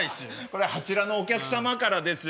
これあちらのお客様からです。